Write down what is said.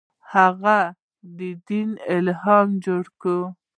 هغه دین الهي جوړ کړ.